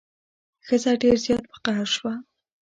ښځه ډیر زیات په قهر شوه.